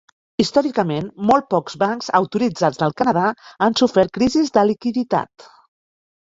Històricament, molt pocs bancs autoritzats del Canadà han sofert crisis de liquiditat.